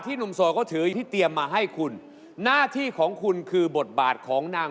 ดวงชะตาของหนุ่มโทษทั้ง๔คน